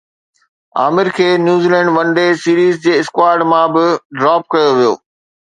عامر کي New Zealand one day series جي squad مان به ڊراپ ڪيو ويو